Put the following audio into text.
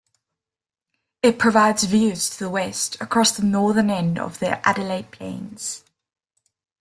It provides views to the west across the northern end of the Adelaide Plains.